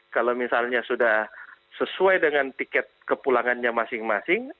kalau misalnya sudah sesuai dengan tiket kepulangannya masing masing